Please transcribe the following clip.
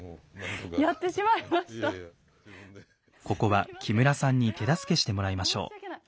ここは木村さんに手助けしてもらいましょう。